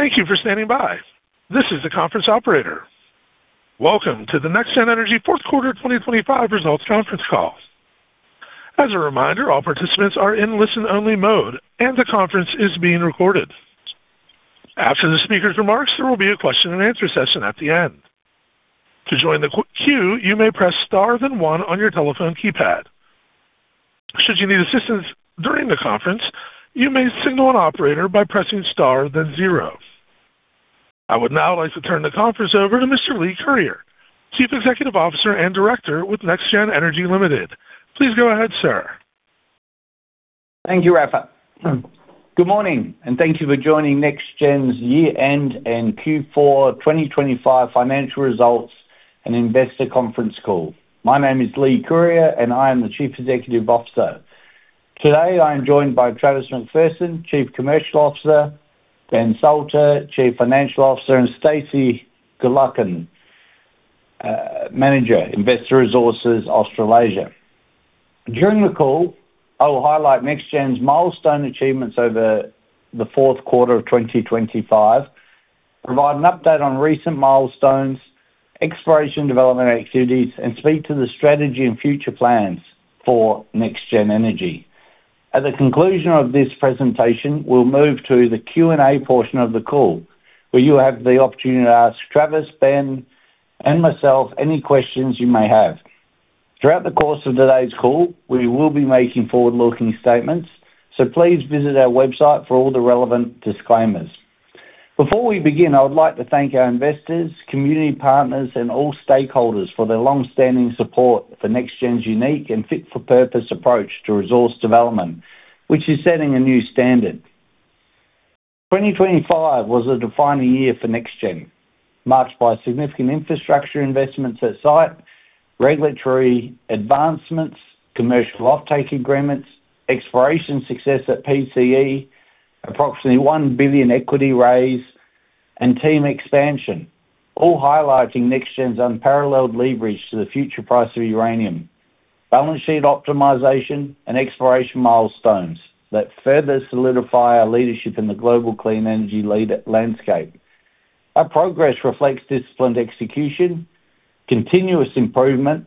Thank you for standing by. This is the conference operator. Welcome to the NexGen Energy fourth quarter 2025 results conference call. As a reminder, all participants are in listen-only mode, and the conference is being recorded. After the speaker's remarks, there will be a question-and-answer session at the end. To join the queue, you may press star then one on your telephone keypad. Should you need assistance during the conference, you may signal an operator by pressing star then zero. I would now like to turn the conference over to Mr. Leigh Curyer, Chief Executive Officer and Director with NexGen Energy Limited. Please go ahead, sir. Thank you, Rafa. Good morning, thank you for joining NexGen's year-end and Q4 2025 financial results and investor conference call. My name is Leigh Curyer, I am the Chief Executive Officer. Today, I am joined by Travis McPherson, Chief Commercial Officer, Ben Salter, Chief Financial Officer, and Stacey Golokin, Manager, Investor Resources Australasia. During the call, I will highlight NexGen's milestone achievements over the fourth quarter of 2025, provide an update on recent milestones, exploration development activities, and speak to the strategy and future plans for NexGen Energy. At the conclusion of this presentation, we'll move to the Q&A portion of the call, where you have the opportunity to ask Travis, Ben, and myself any questions you may have. Throughout the course of today's call, we will be making forward-looking statements, please visit our website for all the relevant disclaimers. Before we begin, I would like to thank our investors, community partners, and all stakeholders for their long-standing support for NexGen's unique and fit-for-purpose approach to resource development, which is setting a new standard. 2025 was a defining year for NexGen, marked by significant infrastructure investments at site, regulatory advancements, commercial offtake agreements, exploration success at PCE, approximately 1 billion equity raise, and team expansion, all highlighting NexGen's unparalleled leverage to the future price of uranium, balance sheet optimization and exploration milestones that further solidify our leadership in the global clean energy landscape. Our progress reflects disciplined execution, continuous improvement,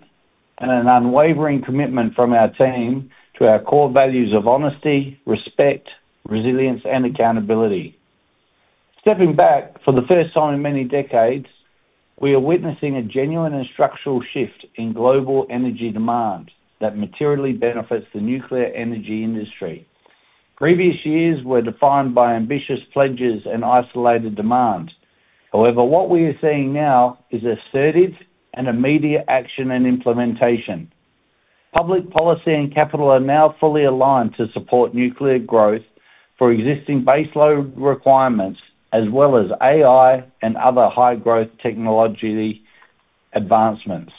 and an unwavering commitment from our team to our core values of honesty, respect, resilience, and accountability. Stepping back for the first time in many decades, we are witnessing a genuine and structural shift in global energy demand that materially benefits the nuclear energy industry. Previous years were defined by ambitious pledges and isolated demand. However, what we are seeing now is assertive and immediate action and implementation. Public policy and capital are now fully aligned to support nuclear growth for existing baseload requirements, as well as AI and other high-growth technology advancements.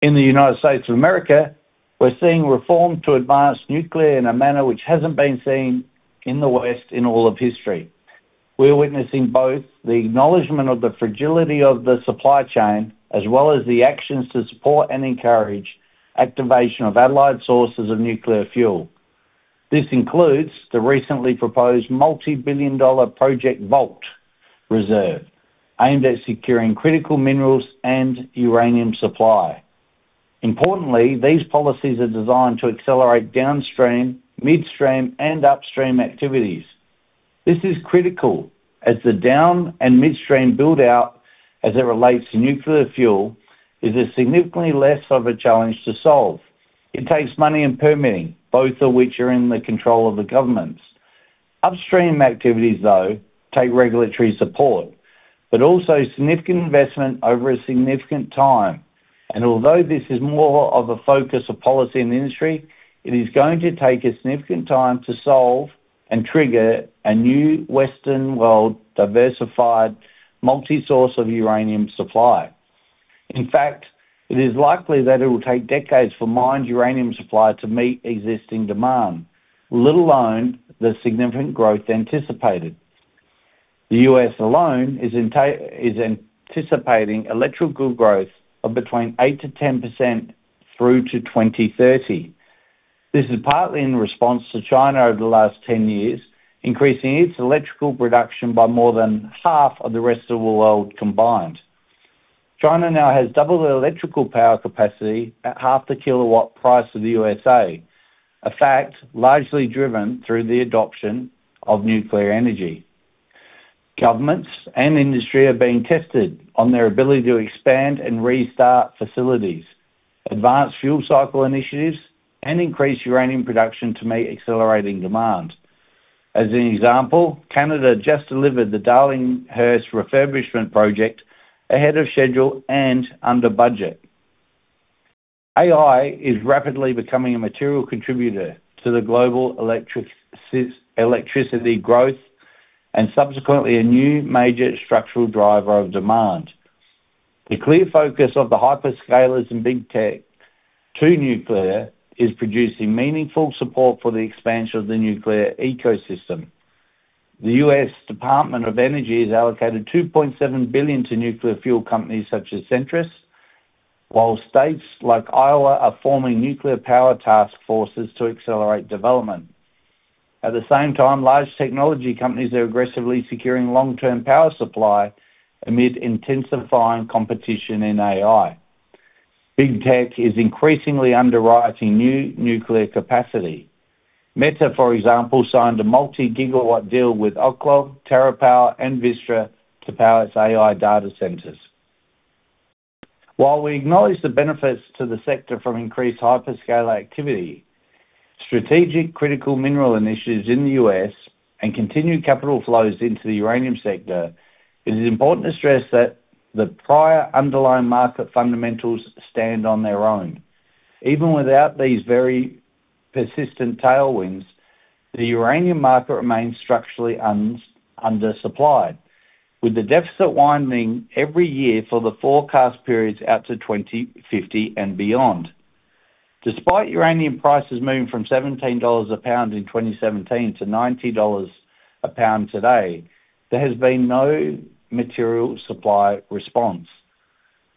In the United States of America, we're seeing reform to advance nuclear in a manner which hasn't been seen in the West in all of history. We're witnessing both the acknowledgment of the fragility of the supply chain as well as the actions to support and encourage activation of allied sources of nuclear fuel. This includes the recently proposed multi-billion-dollar Project Vault Reserve, aimed at securing critical minerals and uranium supply. Importantly, these policies are designed to accelerate downstream, midstream, and upstream activities. This is critical as the down- and midstream build-out, as it relates to nuclear fuel, is a significantly less of a challenge to solve. It takes money and permitting, both of which are in the control of the governments. Upstream activities, though, take regulatory support, but also significant investment over a significant time. Although this is more of a focus of policy in the industry, it is going to take a significant time to solve and trigger a new Western world diversified multi-source of uranium supply. In fact, it is likely that it will take decades for mined uranium supply to meet existing demand, let alone the significant growth anticipated. The U.S. alone is anticipating electrical growth of between 8%-10% through to 2030. This is partly in response to China over the last 10 years, increasing its electrical production by more than half of the rest of the world combined. China now has double the electrical power capacity at half the kilowatt price of the U.S.A, a fact largely driven through the adoption of nuclear energy. Governments and industry are being tested on their ability to expand and restart facilities, advance fuel cycle initiatives, and increase uranium production to meet accelerating demand. As an example, Canada just delivered the Darlington refurbishment project ahead of schedule and under budget. AI is rapidly becoming a material contributor to the global electricity growth and subsequently a new major structural driver of demand. The clear focus of the hyperscalers in big tech to nuclear is producing meaningful support for the expansion of the nuclear ecosystem. The U.S. Department of Energy has allocated $2.7 billion to nuclear fuel companies such as Centrus. States like Iowa are forming nuclear power task forces to accelerate development. At the same time, large technology companies are aggressively securing long-term power supply amid intensifying competition in AI. Big Tech is increasingly underwriting new nuclear capacity. Meta, for example, signed a multi-gigawatt deal with Oklo, TerraPower, and Vistra to power its AI data centers. We acknowledge the benefits to the sector from increased hyperscale activity, strategic critical mineral initiatives in the U.S. and continued capital flows into the uranium sector, it is important to stress that the prior underlying market fundamentals stand on their own. Even without these very persistent tailwinds, the uranium market remains structurally under-supplied, with the deficit widening every year for the forecast periods out to 2050 and beyond. Despite uranium prices moving from $17 a pound in 2017 to $90 a pound today, there has been no material supply response.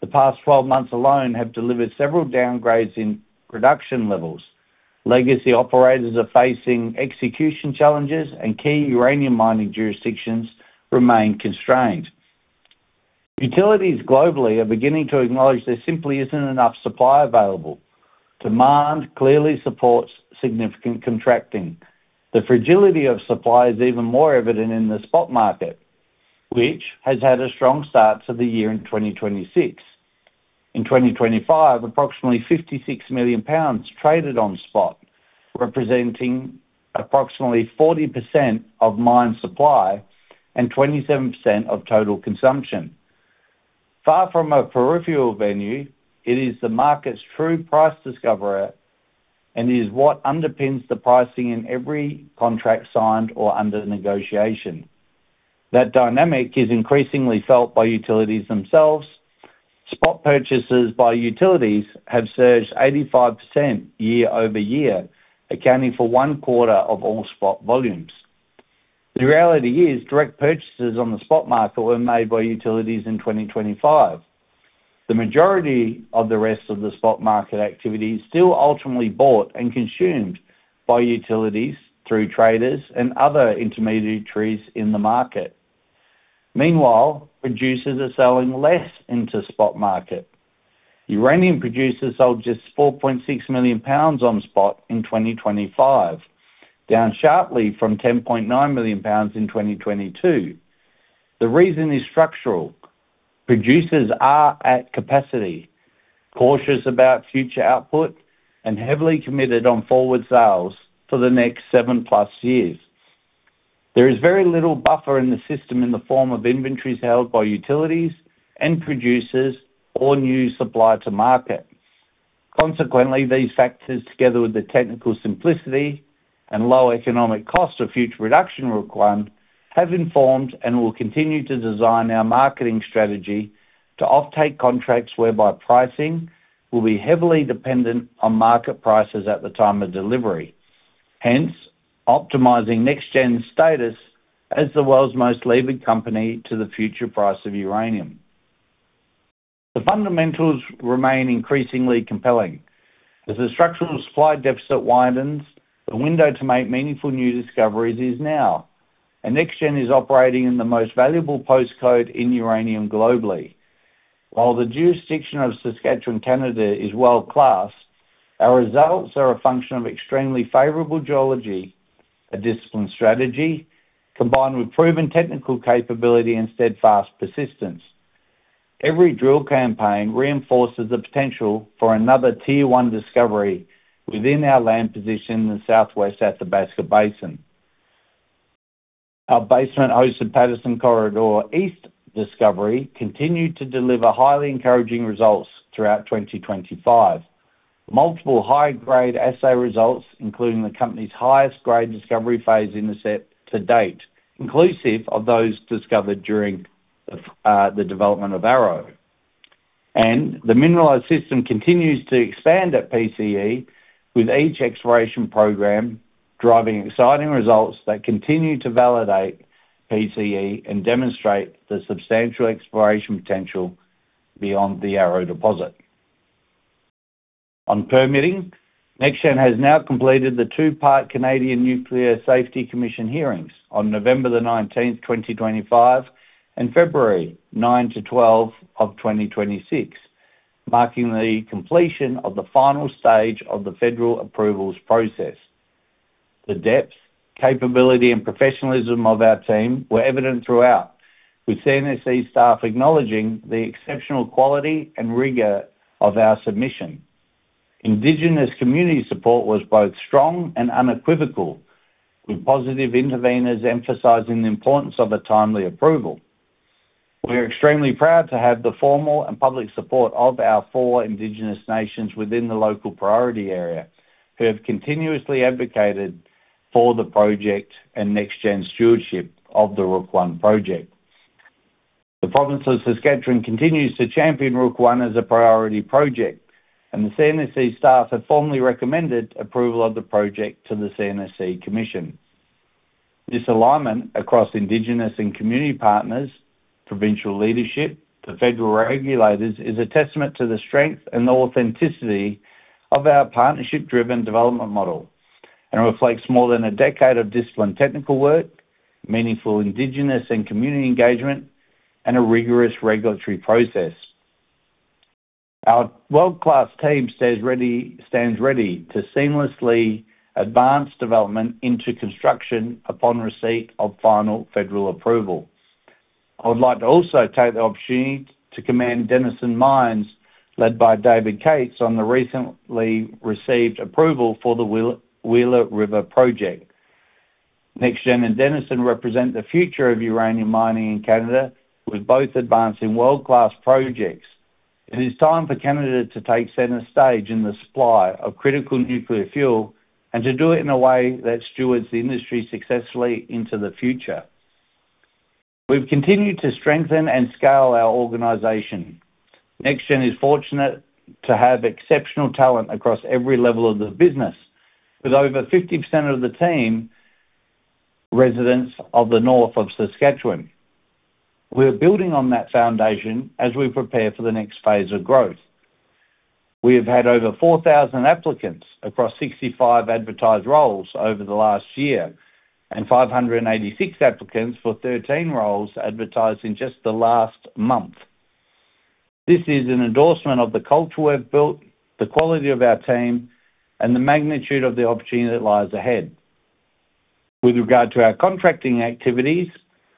The past 12 months alone have delivered several downgrades in production levels. Legacy operators are facing execution challenges, and key uranium mining jurisdictions remain constrained. Utilities globally are beginning to acknowledge there simply isn't enough supply available. Demand clearly supports significant contracting. The fragility of supply is even more evident in the spot market, which has had a strong start to the year in 2026. In 2025, approximately 56 million pounds traded on spot, representing approximately 40% of mine supply and 27% of total consumption. Far from a peripheral venue, it is the market's true price discoverer and is what underpins the pricing in every contract signed or under negotiation. That dynamic is increasingly felt by utilities themselves. Spot purchases by utilities have surged 85% year-over-year, accounting for 1/4 of all spot volumes. The reality is direct purchases on the spot market were made by utilities in 2025. The majority of the rest of the spot market activity is still ultimately bought and consumed by utilities through traders and other intermediaries in the market. Meanwhile, producers are selling less into spot market. Uranium producers sold just 4.6 million pounds on spot in 2025, down sharply from 10.9 million pounds in 2022. The reason is structural. Producers are at capacity, cautious about future output, and heavily committed on forward sales for the next 7+ years. There is very little buffer in the system in the form of inventories held by utilities and producers or new supply to market. Consequently, these factors, together with the technical simplicity and low economic cost of future reduction required, have informed and will continue to design our marketing strategy to offtake contracts whereby pricing will be heavily dependent on market prices at the time of delivery. Hence, optimizing NexGen's status as the world's most levered company to the future price of uranium. The fundamentals remain increasingly compelling. As the structural supply deficit widens, the window to make meaningful new discoveries is now. NexGen is operating in the most valuable postcode in uranium globally. While the jurisdiction of Saskatchewan, Canada, is world-class, our results are a function of extremely favorable geology, a disciplined strategy, combined with proven technical capability and steadfast persistence. Every drill campaign reinforces the potential for another Tier 1 discovery within our land position in the Southwest Athabasca Basin. Our basement-hosted Patterson Corridor East discovery continued to deliver highly encouraging results throughout 2025. Multiple high-grade assay results, including the company's highest grade discovery phase intercept to date, inclusive of those discovered during the development of Arrow. The mineralized system continues to expand at PCE, with each exploration program driving exciting results that continue to validate PCE and demonstrate the substantial exploration potential beyond the Arrow deposit. On permitting, NexGen has now completed the two-part Canadian Nuclear Safety Commission hearings on November the 19th, 2025, and February 9-12 of 2026, marking the completion of the final stage of the federal approvals process. The depth, capability, and professionalism of our team were evident throughout, with CNSC staff acknowledging the exceptional quality and rigor of our submission. Indigenous community support was both strong and unequivocal, with positive interveners emphasizing the importance of a timely approval. We're extremely proud to have the formal and public support of our four indigenous nations within the local priority area who have continuously advocated for the project and NexGen stewardship of the Rook I project. The province of Saskatchewan continues to champion Rook I as a priority project. The CNSC staff have formally recommended approval of the project to the CNSC commission. This alignment across indigenous and community partners, provincial leadership to federal regulators, is a testament to the strength and authenticity of our partnership-driven development model, and reflects more than a decade of disciplined technical work, meaningful indigenous and community engagement, and a rigorous regulatory process. Our world-class team stands ready to seamlessly advance development into construction upon receipt of final federal approval. I would like to also take the opportunity to commend Denison Mines, led by David Cates, on the recently received approval for the Wheeler River project. NexGen and Denison represent the future of uranium mining in Canada, with both advancing world-class projects. It is time for Canada to take center stage in the supply of critical nuclear fuel and to do it in a way that stewards the industry successfully into the future. We've continued to strengthen and scale our organization. NexGen is fortunate to have exceptional talent across every level of the business. With over 50% of the team residents of the North of Saskatchewan. We're building on that foundation as we prepare for the next phase of growth. We have had over 4,000 applicants across 65 advertised roles over the last year, and 586 applicants for 13 roles advertised in just the last month. This is an endorsement of the culture we've built, the quality of our team, and the magnitude of the opportunity that lies ahead. With regard to our contracting activities,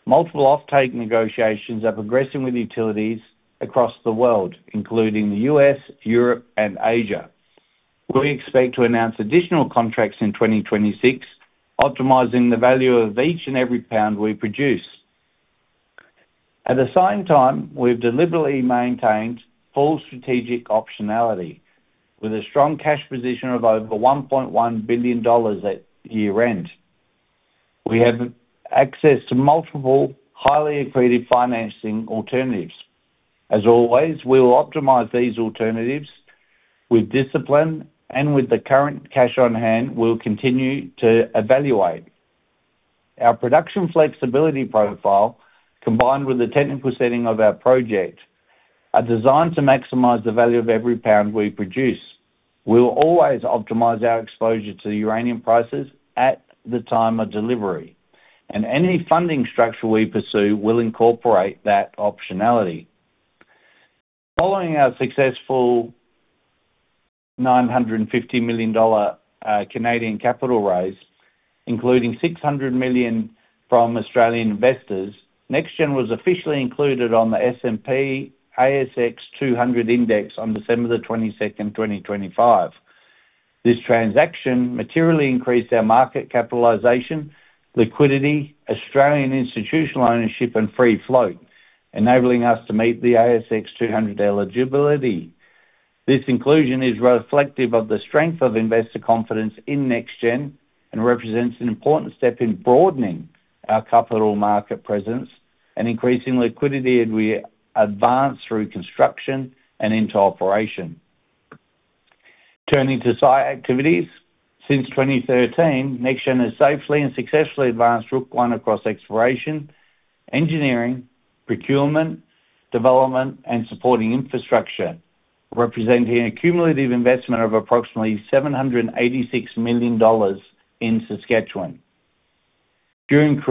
multiple offtake negotiations are progressing with utilities across the world, including the U.S., Europe, and Asia. We expect to announce additional contracts in 2026, optimizing the value of each and every pound we produce. At the same time, we've deliberately maintained full strategic optionality with a strong cash position of over $1.1 billion at year-end. We have access to multiple highly accredited financing alternatives. As always, we will optimize these alternatives with discipline and with the current cash on hand, we'll continue to evaluate. Our production flexibility profile combined with the technical setting of our project, are designed to maximize the value of every pound we produce. We will always optimize our exposure to the uranium prices at the time of delivery. Any funding structure we pursue will incorporate that optionality. Following our successful 950 million Canadian dollars Canadian capital raise, including 600 million from Australian investors, NexGen was officially included on the S&P/ASX 200 Index on December 22nd, 2025. This transaction materially increased our market capitalization, liquidity, Australian institutional ownership, and free float, enabling us to meet the ASX 200 eligibility. This inclusion is reflective of the strength of investor confidence in NexGen, and represents an important step in broadening our capital market presence and increasing liquidity as we advance through construction and into operation. Turning to site activities. Since 2013, NexGen has safely and successfully advanced Rook I across exploration, engineering, procurement, development, and supporting infrastructure, representing a cumulative investment of approximately 786 million dollars in Saskatchewan. During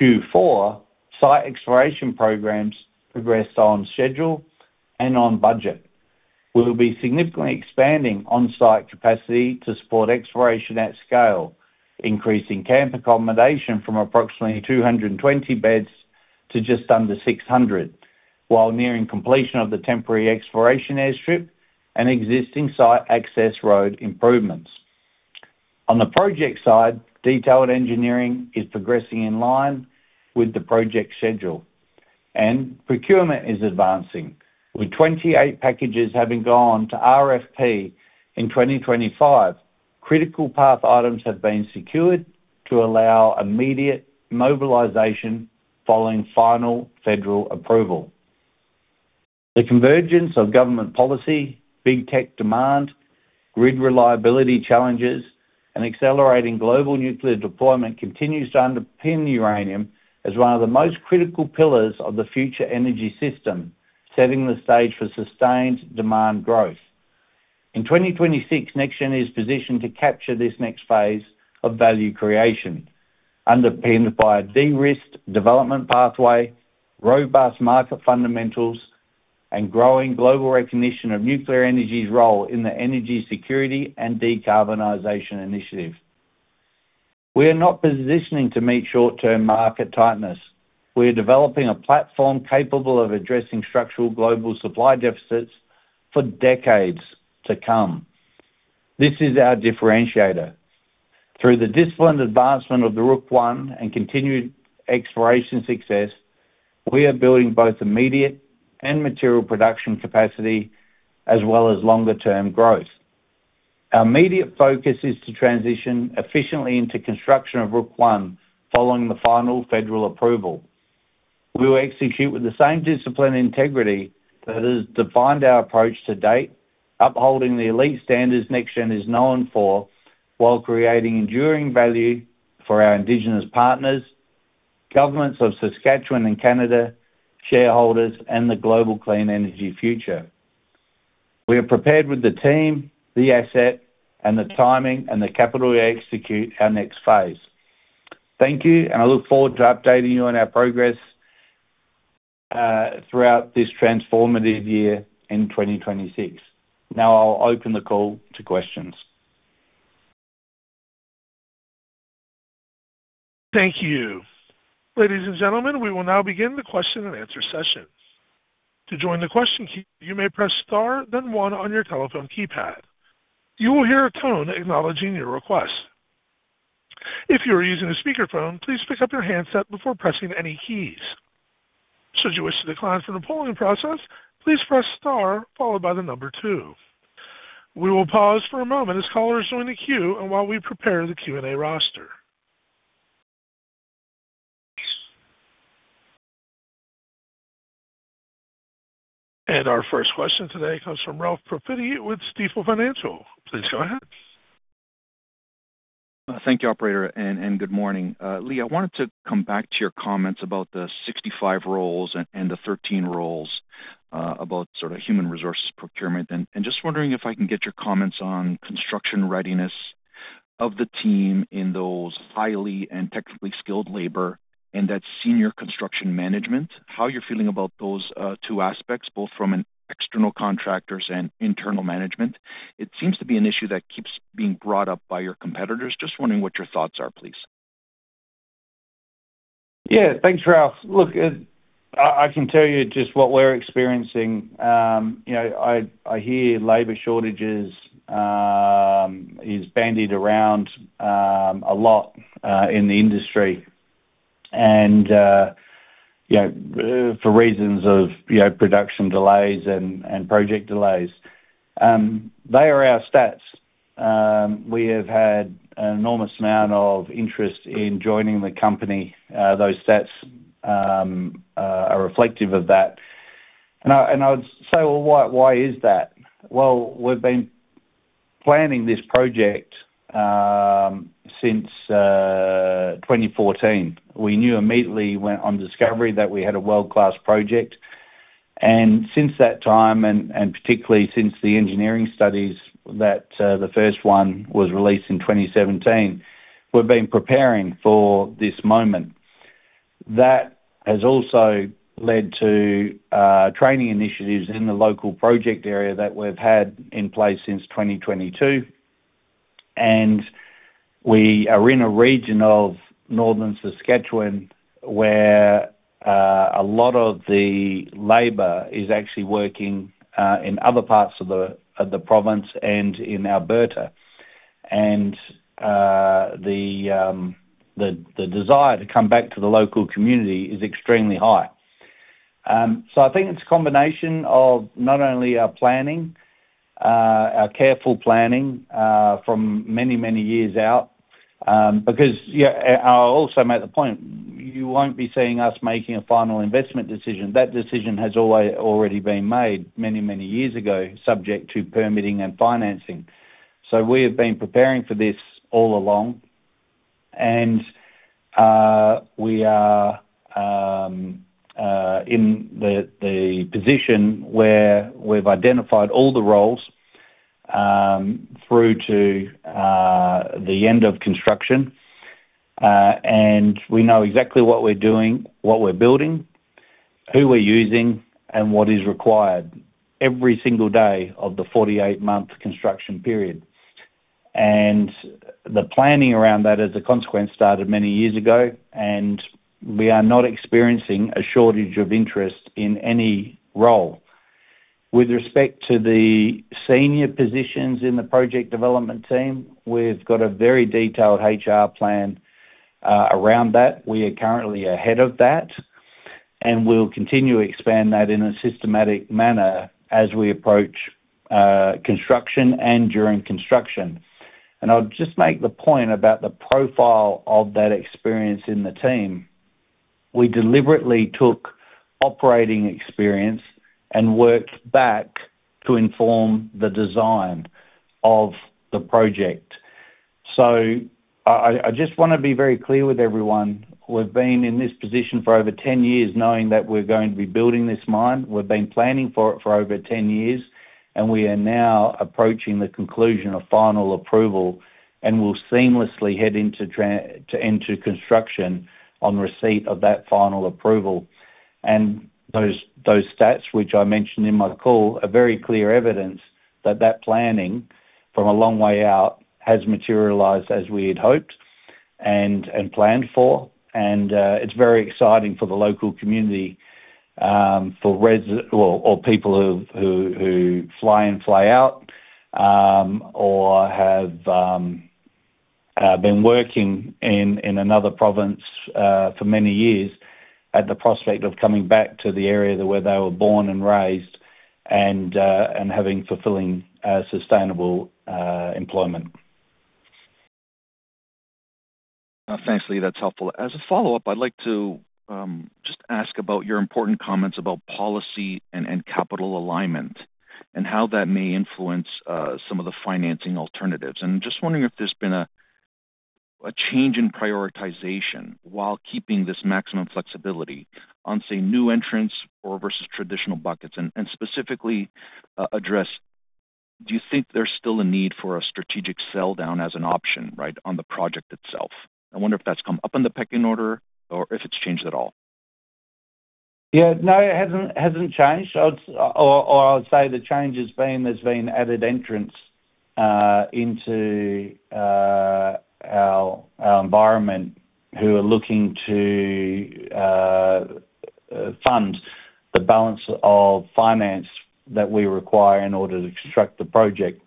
Q4, site exploration programs progressed on schedule and on budget. We will be significantly expanding on-site capacity to support exploration at scale, increasing camp accommodation from approximately 220 beds to just under 600, while nearing completion of the temporary exploration airstrip and existing site access road improvements. On the project side, detailed engineering is progressing in line with the project schedule, and procurement is advancing, with 28 packages having gone to RFP in 2025. Critical path items have been secured to allow immediate mobilization following final federal approval. The convergence of government policy, big tech demand, grid reliability challenges, and accelerating global nuclear deployment continues to underpin uranium as one of the most critical pillars of the future energy system, setting the stage for sustained demand growth. In 2026, NexGen is positioned to capture this next phase of value creation, underpinned by a de-risked development pathway, robust market fundamentals, and growing global recognition of nuclear energy's role in the energy security and decarbonization initiative. We are not positioning to meet short-term market tightness. We are developing a platform capable of addressing structural global supply deficits for decades to come. This is our differentiator. Through the disciplined advancement of the Rook I and continued exploration success, we are building both immediate and material production capacity as well as longer-term growth. Our immediate focus is to transition efficiently into construction of Rook I following the final federal approval. We will execute with the same discipline integrity that has defined our approach to date, upholding the elite standards NexGen is known for, while creating enduring value for our indigenous partners, governments of Saskatchewan and Canada, shareholders and the global clean energy future. We are prepared with the team, the asset and the timing and the capital to execute our next phase. Thank you, and I look forward to updating you on our progress throughout this transformative year in 2026. I'll open the call to questions. Thank you. Ladies and gentlemen, we will now begin the question-and-answer session. To join the question, you may press star then one on your telephone keypad. You will hear a tone acknowledging your request. If you are using a speakerphone, please pick up your handset before pressing any keys. Should you wish to decline from the polling process, please press star followed by the number two. We will pause for a moment as callers join the queue and while we prepare the Q&A roster. Our first question today comes from Ralph Profiti with Stifel Financial. Please go ahead. Thank you, operator, and good morning. Leigh, I wanted to come back to your comments about the 65 roles and the 13 roles about sort of human resources procurement. Just wondering if I can get your comments on construction readiness of the team in those highly and technically skilled labor and that senior construction management, how you're feeling about those two aspects, both from an external contractors and internal management. It seems to be an issue that keeps being brought up by your competitors. Just wondering what your thoughts are, please. Yeah. Thanks, Ralph. Look, I can tell you just what we're experiencing. You know, I hear labor shortages is bandied around a lot in the industry, for reasons of, you know, production delays and project delays. They are our stats. We have had an enormous amount of interest in joining the company. Those stats are reflective of that. I would say, well, why is that? Well, we've been planning this project since 2014. We knew immediately went on discovery that we had a world-class project. Since that time, and particularly since the engineering studies that the first one was released in 2017, we've been preparing for this moment. That has also led to training initiatives in the local project area that we've had in place since 2022. We are in a region of Northern Saskatchewan where a lot of the labor is actually working in other parts of the province and in Alberta. The desire to come back to the local community is extremely high. I think it's a combination of not only our planning, our careful planning, from many, many years out, because, you know, I'll also make the point, you won't be seeing us making a final investment decision. That decision has already been made many, many years ago, subject to permitting and financing. We have been preparing for this all along, and we are in the position where we've identified all the roles through to the end of construction, and we know exactly what we're doing, what we're building, who we're using, and what is required every single day of the 48-month construction period. The planning around that, as a consequence, started many years ago, and we are not experiencing a shortage of interest in any role. With respect to the senior positions in the project development team, we've got a very detailed HR plan around that. We are currently ahead of that, and we'll continue to expand that in a systematic manner as we approach construction and during construction. I'll just make the point about the profile of that experience in the team. We deliberately took operating experience and worked back to inform the design of the project. I just wanna be very clear with everyone. We've been in this position for over 10 years knowing that we're going to be building this mine. We've been planning for it for over 10 years, and we are now approaching the conclusion of final approval, and we'll seamlessly head into to enter construction on receipt of that final approval. Those, those stats, which I mentioned in my call, are very clear evidence that that planning from a long way out has materialized as we had hoped and planned for. It's very exciting for the local community, for people who fly and fly out, or have been working in another province for many years at the prospect of coming back to the area where they were born and raised and having fulfilling, sustainable employment. Thanks, Leigh. That's helpful. As a follow-up, I'd like to just ask about your important comments about policy and capital alignment and how that may influence some of the financing alternatives. I'm just wondering if there's been a change in prioritization while keeping this maximum flexibility on, say, new entrants or versus traditional buckets. Specifically address, do you think there's still a need for a strategic sell down as an option, right, on the project itself? I wonder if that's come up in the pecking order or if it's changed at all. Yeah, no, it hasn't changed. I would say the change has been, there's been added entrants into our environment who are looking to fund the balance of finance that we require in order to construct the project.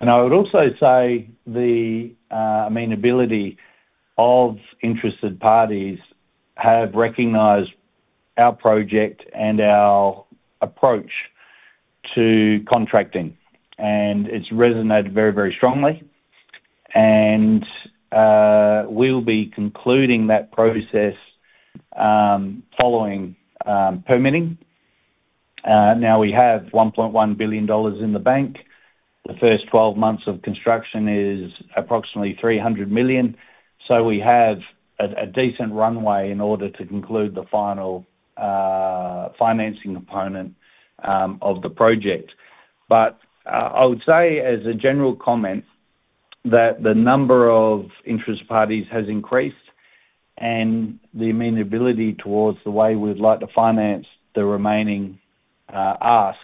I would also say the amenability of interested parties have recognized our project and our approach to contracting, and it's resonated very, very strongly. We'll be concluding that process following permitting. Now, we have $1.1 billion in the bank. The first 12 months of construction is approximately $300 million. We have a decent runway in order to conclude the final financing component of the project. I would say as a general comment that the number of interest parties has increased and the amenability towards the way we'd like to finance the remaining ask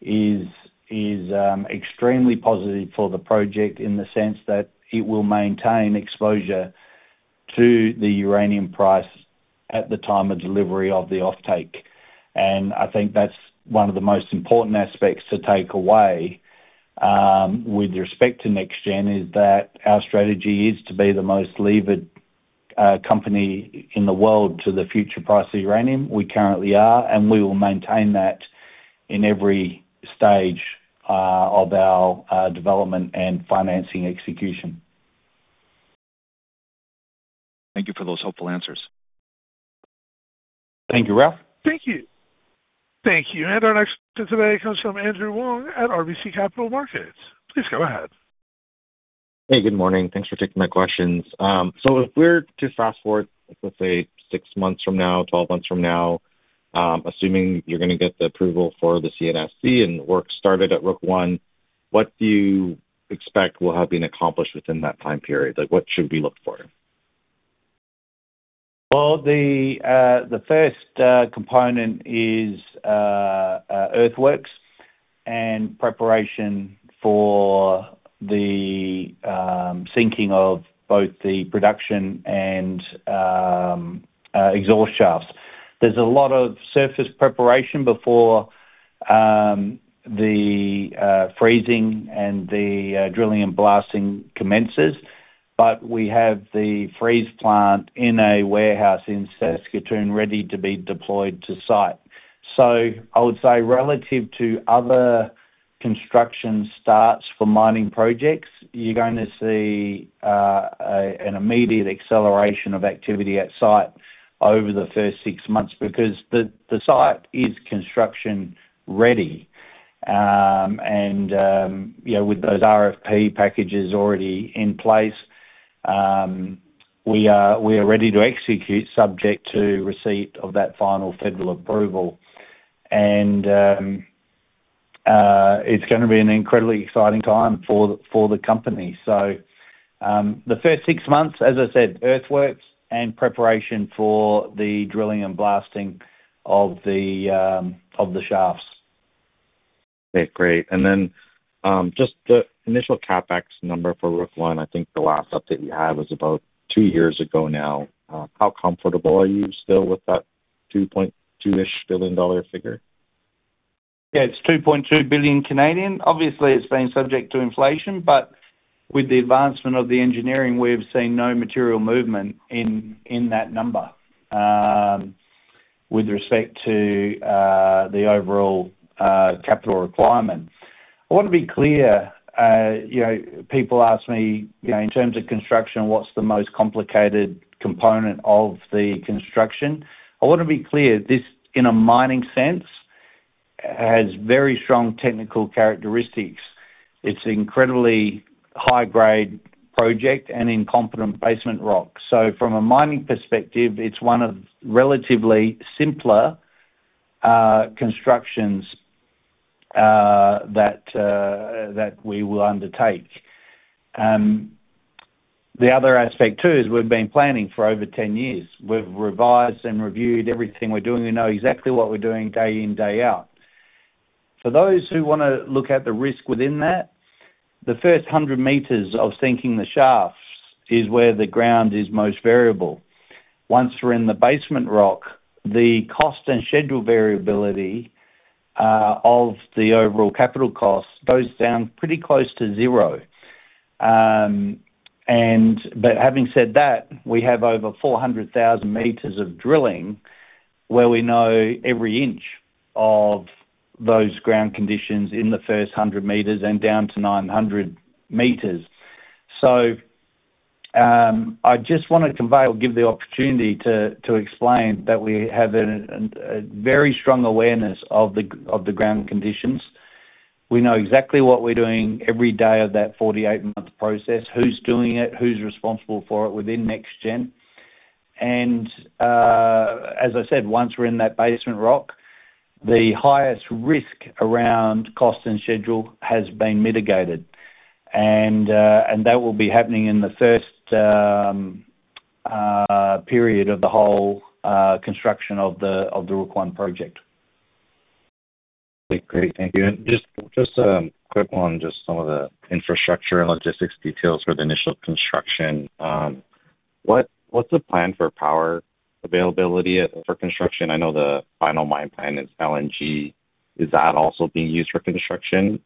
is extremely positive for the project in the sense that it will maintain exposure to the uranium price at the time of delivery of the offtake. I think that's one of the most important aspects to take away with respect to NexGen, is that our strategy is to be the most levered company in the world to the future price of uranium. We currently are, and we will maintain that in every stage of our development and financing execution. Thank you for those helpful answers. Thank you Ralph. Thank you. Thank you. Our next question today comes from Andrew Wong at RBC Capital Markets. Please go ahead. Hey, good morning. Thanks for taking my questions. If we're to fast forward, let's say six months from now, 12 months from now, assuming you're gonna get the approval for the CNSC and work started at Rook I, what do you expect will have been accomplished within that time period? Like, what should we look for? The first component is earthworks and preparation for the sinking of both the production and exhaust shafts. There's a lot of surface preparation before the freezing and the drilling and blasting commences. We have the freeze plant in a warehouse in Saskatoon ready to be deployed to site. I would say relative to other construction starts for mining projects, you're going to see an immediate acceleration of activity at site over the first six months because the site is construction ready. You know, with those RFP packages already in place, we are ready to execute subject to receipt of that final federal approval. It's gonna be an incredibly exciting time for the company. The first six months, as I said, earthworks and preparation for the drilling and blasting of the shafts. Okay, great. Just the initial CapEx number for Rook I. I think the last update we had was about two years ago now. How comfortable are you still with that 2.2-ish billion dollar figure? Yeah, it's 2.2 billion. Obviously it's been subject to inflation, with the advancement of the engineering, we've seen no material movement in that number, with respect to the overall capital requirement. I want to be clear, you know, people ask me, you know, in terms of construction, what's the most complicated component of the construction? I want to be clear. This, in a mining sense, has very strong technical characteristics. It's incredibly high-grade project and in competent basement rock. From a mining perspective, it's one of relatively simpler constructions that we will undertake. The other aspect too is we've been planning for over 10 years. We've revised and reviewed everything we're doing. We know exactly what we're doing day in, day out. For those who wanna look at the risk within that, the first 100 m of sinking the shafts is where the ground is most variable. Once we're in the basement rock, the cost and schedule variability of the overall capital costs goes down pretty close to zero. Having said that, we have over 400,000 m of drilling. We know every inch of those ground conditions in the first 100 m and down to 900 m. I just want to convey or give the opportunity to explain that we have a very strong awareness of the ground conditions. We know exactly what we're doing every day of that 48-month process, who's doing it, who's responsible for it within NexGen. As I said, once we're in that basement rock, the highest risk around cost and schedule has been mitigated. That will be happening in the first period of the whole construction of the Rook I Project. Great. Thank you. Just quick one, just some of the infrastructure and logistics details for the initial construction. What's the plan for power availability for construction? I know the final mine plan is LNG. Is that also being used for construction?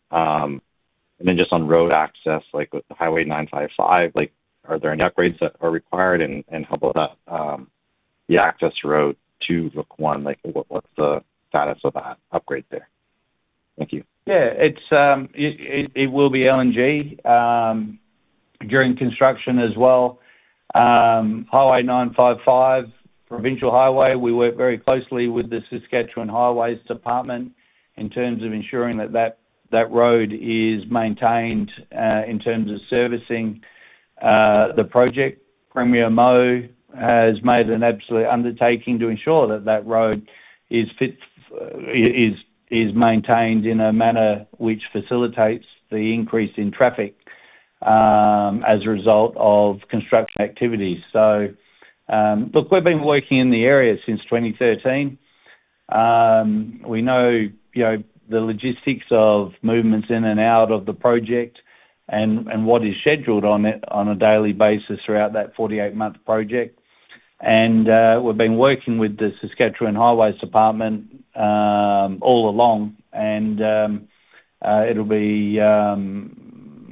Just on road access, like with the Highway 955, like are there any upgrades that are required and how about the access road to Rook I? Like what's the status of that upgrade there? Thank you. It will be LNG during construction as well. Highway 955, provincial highway. We work very closely with the Saskatchewan Highways Department in terms of ensuring that road is maintained in terms of servicing the project. Premier Moe has made an absolute undertaking to ensure that road is maintained in a manner which facilitates the increase in traffic as a result of construction activities. Look, we've been working in the area since 2013. We know, you know, the logistics of movements in and out of the project and what is scheduled on it on a daily basis throughout that 48-month project. We've been working with the Saskatchewan Highways Department all along and it'll be.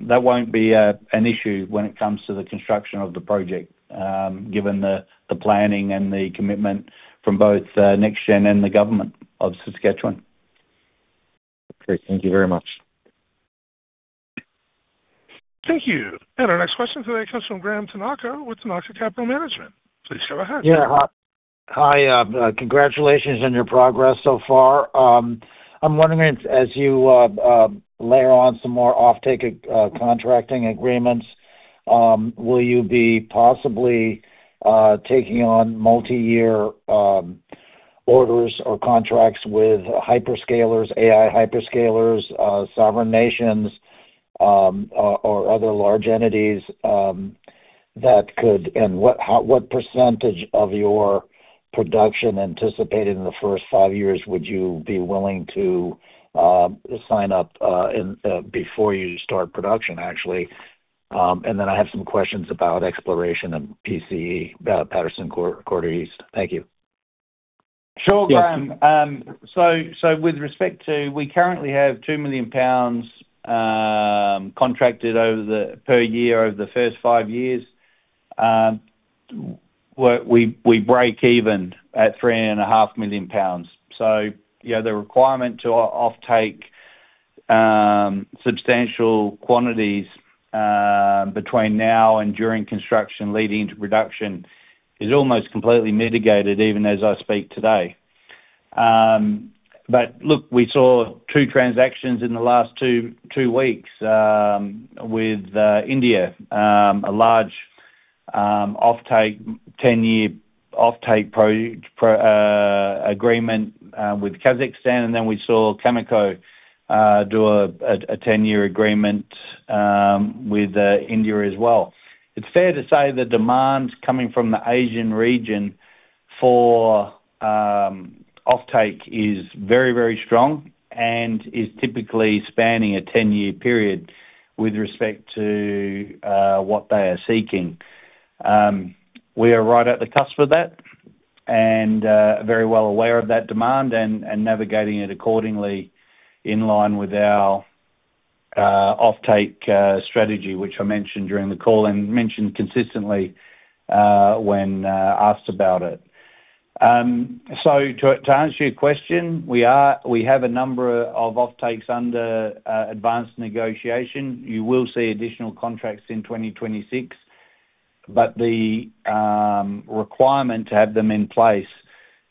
That won't be an issue when it comes to the construction of the project, given the planning and the commitment from both, NexGen and the Government of Saskatchewan. Okay. Thank you very much. Thank you. Our next question today comes from Graham Tanaka with Tanaka Capital Management. Please go ahead. Yeah. Hi. Congratulations on your progress so far. I'm wondering if as you layer on some more offtake contracting agreements, will you be taking on multiyear orders or contracts with hyperscalers, AI hyperscalers, sovereign nations, or other large entities? What percentage of your production anticipated in the first five years would you be willing to sign up before you start production, actually? I have some questions about exploration of PCE, Patterson Corridor East. Thank you. Sure, Graham. With respect to, we currently have 2 million pounds contracted per year over the first five years. We break even at 3.5 million pounds. Yeah, the requirement to offtake substantial quantities between now and during construction leading to production is almost completely mitigated even as I speak today. Look, we saw two transactions in the last two weeks with India, a large 10-year offtake agreement with Kazakhstan. We saw Cameco do a 10-year agreement with India as well. It's fair to say the demand coming from the Asian region for offtake is very, very strong and is typically spanning a 10-year period with respect to what they are seeking. We are right at the cusp of that and very well aware of that demand and navigating it accordingly in line with our offtake strategy, which I mentioned during the call and mentioned consistently when asked about it. To answer your question, we have a number of offtakes under advanced negotiation. You will see additional contracts in 2026. The requirement to have them in place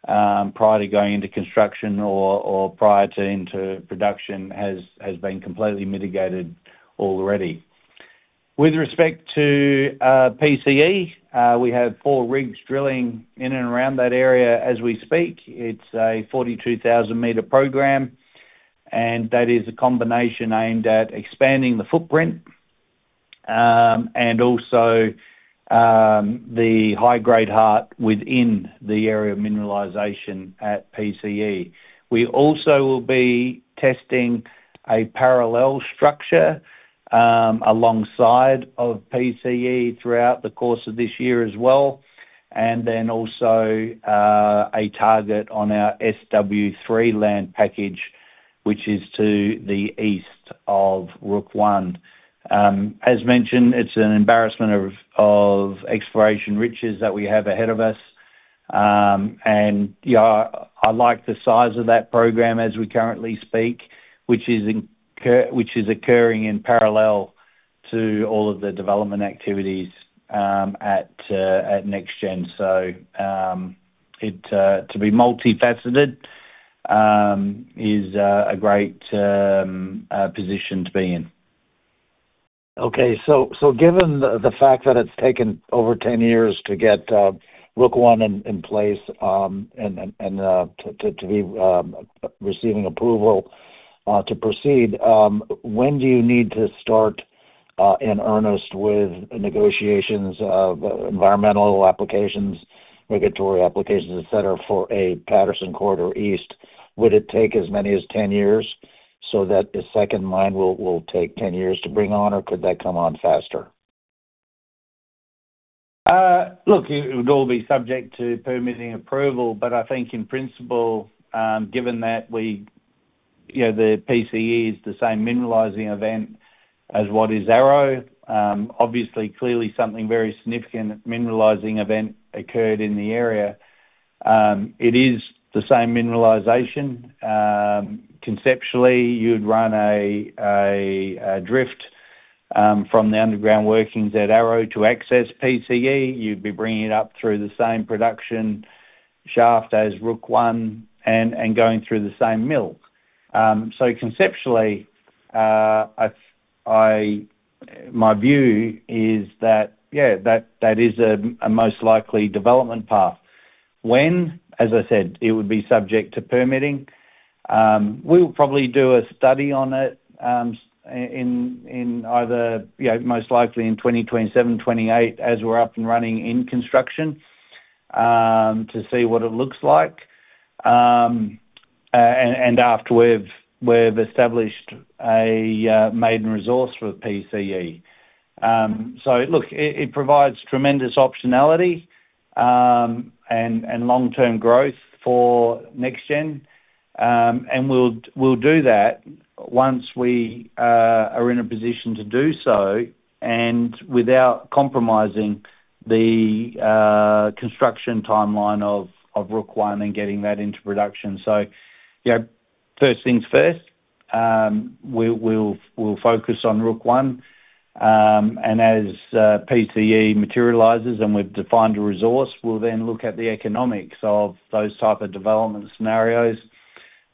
prior to going into construction or prior to into production has been completely mitigated already. With respect to PCE, we have four rigs drilling in and around that area as we speak. It's a 42,000 m program, and that is a combination aimed at expanding the footprint and also the high-grade heart within the area of mineralization at PCE. We also will be testing a parallel structure alongside of PCE throughout the course of this year as well, and then also, a target on our SW3 land package, which is to the east of Rook I. As mentioned, it's an embarrassment of exploration riches that we have ahead of us. You know, I like the size of that program as we currently speak, which is occurring in parallel to all of the development activities at NexGen. It to be multifaceted is a great position to be in. Okay. Given the fact that it's taken over 10 years to get Rook I in place, and to be receiving approval to proceed, when do you need to start in earnest with negotiations of environmental applications, regulatory applications, et cetera, for a Patterson Corridor East? Would it take as many as 10 years so that the second mine will take 10 years to bring on, or could that come on faster? Look, it would all be subject to permitting approval. I think in principle, given that we, you know, the PCE is the same mineralizing event as what is Arrow, obviously, clearly something very significant mineralizing event occurred in the area. It is the same mineralization. Conceptually, you'd run a drift from the underground workings at Arrow to access PCE. You'd be bringing it up through the same production shaft as Rook I and going through the same mill. Conceptually, My view is that, yeah, that is a most likely development path. When? As I said, it would be subject to permitting. We'll probably do a study on it, in either, you know, most likely in 2027, 2028 as we're up and running in construction, to see what it looks like. And after we've established a maiden resource for PCE. Look, it provides tremendous optionality and long-term growth for NexGen. We'll do that once we are in a position to do so and without compromising the construction timeline of Rook I and getting that into production. You know, first things first, we'll focus on Rook I. As PCE materializes and we've defined a resource, we'll then look at the economics of those type of development scenarios.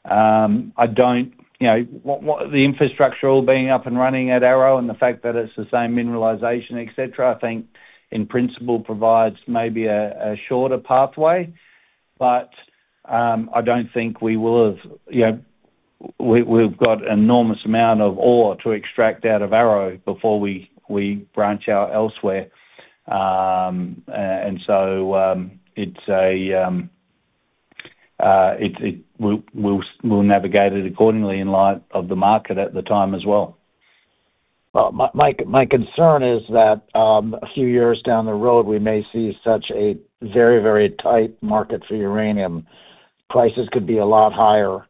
I don't, you know. The infrastructure all being up and running at Arrow and the fact that it's the same mineralization, et cetera, I think in principle provides maybe a shorter pathway. I don't think we will have, you know. We've got enormous amount of ore to extract out of Arrow before we branch out elsewhere. It's a we'll navigate it accordingly in light of the market at the time as well. Well, my concern is that, a few years down the road, we may see such a very tight market for uranium. Prices could be a lot higher.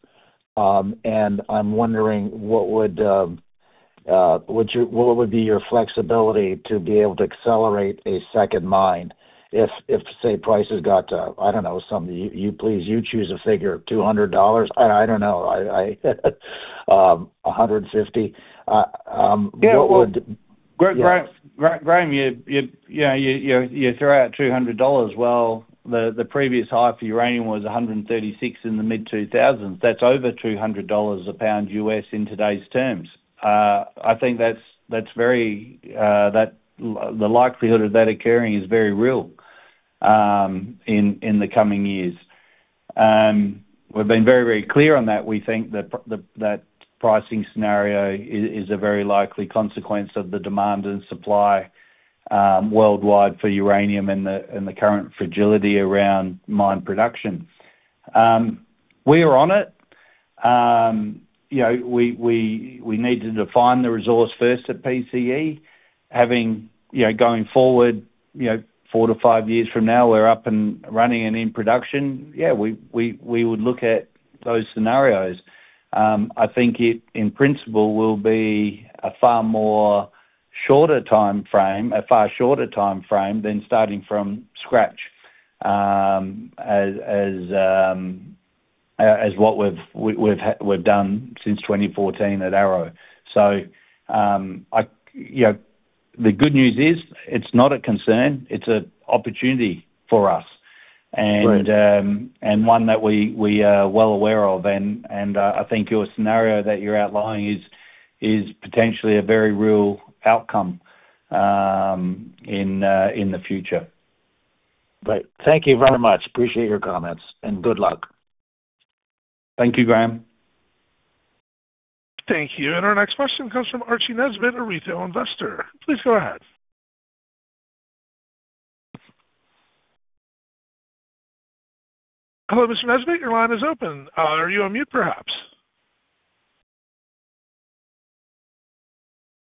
I'm wondering what would be your flexibility to be able to accelerate a second mine if, say, prices got to, I don't know, some. You choose a figure, $200? I don't know. I, $150. Yeah. Yes. Graham, you know, you throw out $200. The previous high for uranium was $136 in the mid-2000s. That's over $200 a pound U.S. in today's terms. I think that's very. The likelihood of that occurring is very real in the coming years. We've been very clear on that. We think that pricing scenario is a very likely consequence of the demand and supply worldwide for uranium and the current fragility around mine production. We are on it. You know, we need to define the resource first at PCE. Having, you know, going forward, four to five years from now, we're up and running and in production. Yeah, we would look at those scenarios. I think it, in principle, will be a far more shorter timeframe, a far shorter timeframe than starting from scratch, as what we've done since 2014 at Arrow. I, you know, the good news is it's not a concern. It's an opportunity for us. Great. One that we are well aware of. I think your scenario that you're outlying is potentially a very real outcome in the future. Great. Thank you very much. Appreciate your comments. Good luck. Thank you, Graham. Thank you. Our next question comes from [Archie Nesbitt], a retail investor. Please go ahead. Hello, Mr. [Nesbitt], your line is open. Are you on mute perhaps?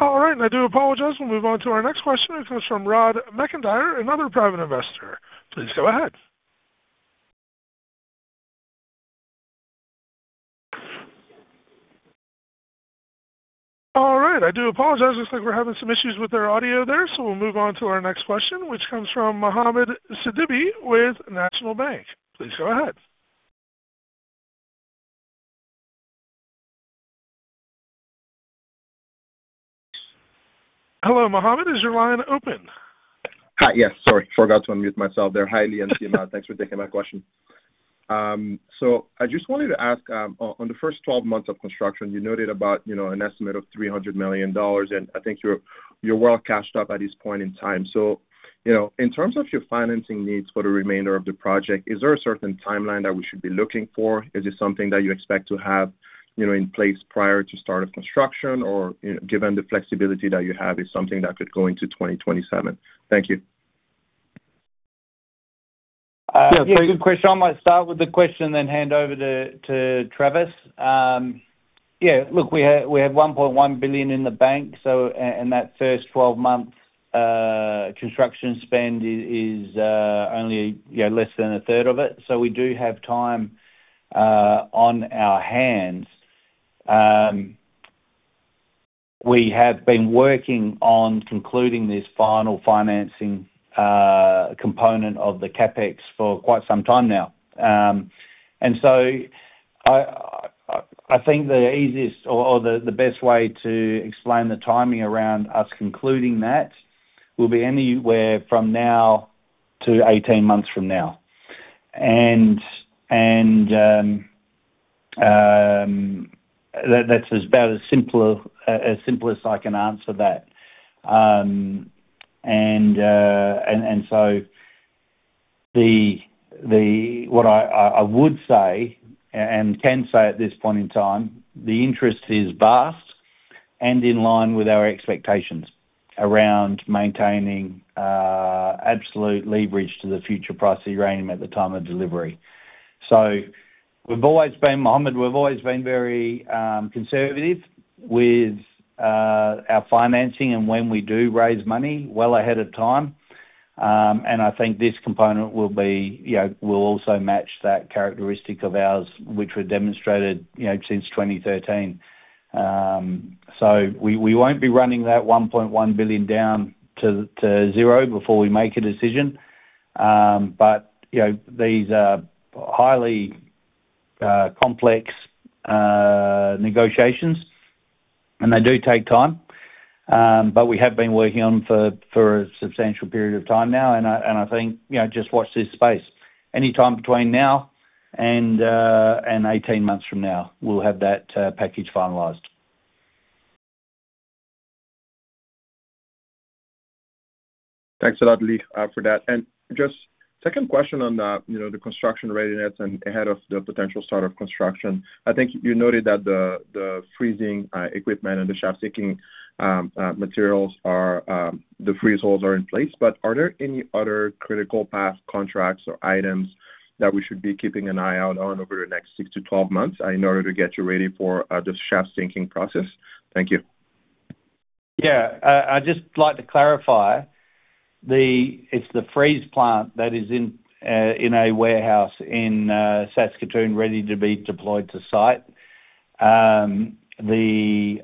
All right. I do apologize. We'll move on to our next question. It comes from [Rod Mackinder], another private investor. Please go ahead. All right. I do apologize. Looks like we're having some issues with their audio there, so we'll move on to our next question, which comes from Mohamed Sidibé with National Bank. Please go ahead. Hello, Mohamed. Is your line open? Hi. Yes. Sorry. Forgot to unmute myself there. Hi, Leigh and team. Thanks for taking my question. I just wanted to ask, on the first 12 months of construction, you noted about, you know, an estimate of $300 million, and I think you're well cashed up at this point in time. You know, in terms of your financing needs for the remainder of the project, is there a certain timeline that we should be looking for? Is this something that you expect to have, you know, in place prior to start of construction? Given the flexibility that you have, is something that could go into 2027? Thank you. Yeah, good question. I might start with the question then hand over to Travis. Yeah, look, we have 1.1 billion in the bank, that first 12 month construction spend is only, you know, less than a third of it. We do have time on our hands. We have been working on concluding this final financing component of the CapEx for quite some time now. I think the easiest or the best way to explain the timing around us concluding that will be anywhere from now to 18 months from now. That's about as simple as I can answer that. What I would say and can say at this point in time, the interest is vast and in line with our expectations around maintaining absolute leverage to the future price of uranium at the time of delivery. We've always been, Mohamed, we've always been very conservative with our financing and when we do raise money well ahead of time. I think this component will be, you know, will also match that characteristic of ours, which we demonstrated, you know, since 2013. We won't be running that 1.1 billion down to zero before we make a decision. You know, these are highly complex negotiations, and they do take time. We have been working on for a substantial period of time now, and I think, you know, just watch this space. Anytime between now and 18 months from now, we'll have that, package finalized. Thanks a lot, Leigh, for that. Just second question on the, you know, the construction readiness and ahead of the potential start of construction. I think you noted that the freezing equipment and the shaft-sinking materials are, the freeze holes are in place. Are there any other critical path contracts or items that we should be keeping an eye out on over the next six to 12 months in order to get you ready for the shaft-sinking process? Thank you. Yeah. I'd just like to clarify. It's the freeze plant that is in a warehouse in Saskatoon ready to be deployed to site. The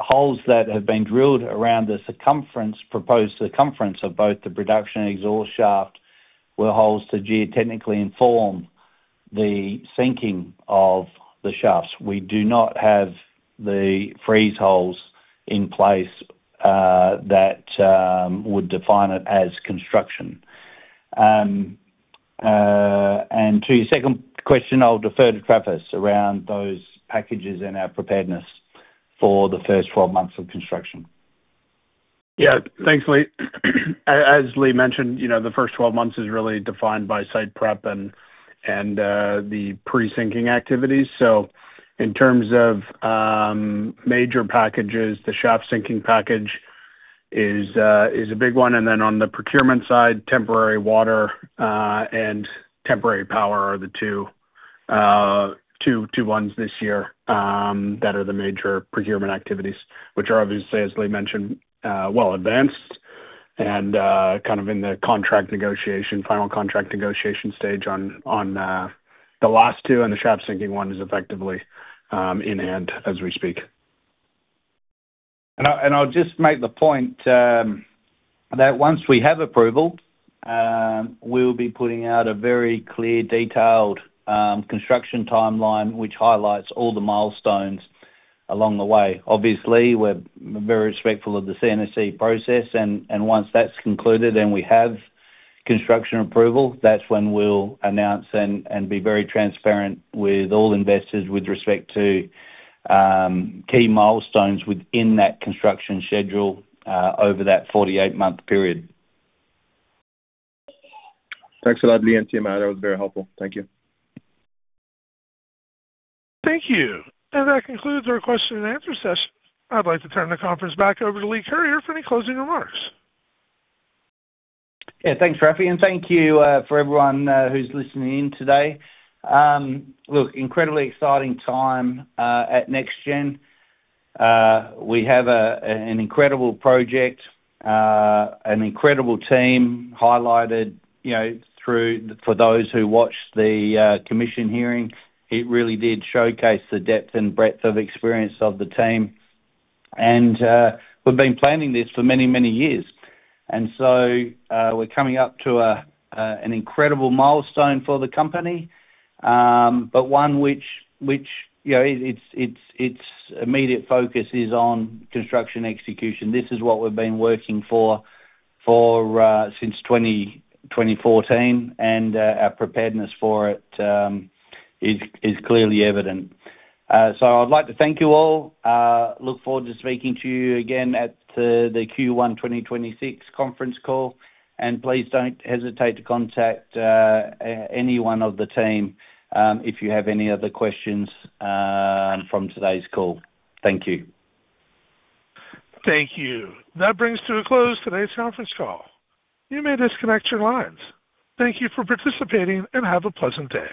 holes that have been drilled around the circumference, proposed circumference of both the production exhaust shaft were holes to geotechnically inform the sinking of the shafts. We do not have the freeze holes in place that would define it as construction. To your second question, I'll defer to Travis around those packages and our preparedness for the first 12 months of construction. Yeah. Thanks, Leigh. As Leigh mentioned, you know, the first 12 months is really defined by site prep and the pre-sinking activities. In terms of major packages, the shaft-sinking package is a big one. On the procurement side, temporary water and temporary power are the two ones this year, that are the major procurement activities, which are obviously, as Leigh mentioned, well advanced and kind of in the contract negotiation, final contract negotiation stage on the last two, and the shaft-sinking one is effectively in hand as we speak. I'll just make the point that once we have approval, we'll be putting out a very clear, detailed, construction timeline which highlights all the milestones along the way. Obviously, we're very respectful of the CNSC process, and once that's concluded and we have construction approval, that's when we'll announce and be very transparent with all investors with respect to key milestones within that construction schedule over that 48-month period. Thanks a lot, Leigh and team. That was very helpful. Thank you. Thank you. That concludes our question-and-answer session. I'd like to turn the conference back over to Leigh Curyer for any closing remarks. Yeah. Thanks, Rafa, thank you for everyone who's listening in today. Look, incredibly exciting time at NexGen. We have an incredible project, an incredible team highlighted, you know, for those who watched the commission hearing. It really did showcase the depth and breadth of experience of the team. We've been planning this for many, many years. We're coming up to an incredible milestone for the company, but one which, you know, it's, it's immediate focus is on construction execution. This is what we've been working for since 2014, and our preparedness for it is clearly evident. I'd like to thank you all. Look forward to speaking to you again at the Q1 2026 conference call. Please don't hesitate to contact any one of the team, if you have any other questions, from today's call. Thank you. Thank you. That brings to a close today's conference call. You may disconnect your lines. Thank you for participating, and have a pleasant day.